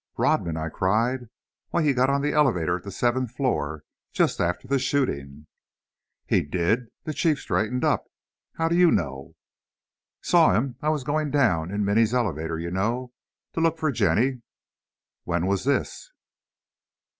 "Rodman!" I cried; "why, he got on the elevator at the seventh floor, just after the shooting." "He did!" the Chief straightened up; "how do you know?" "Saw him. I was going down, in Minny's elevator, you know, to look for Jenny " "When was this?"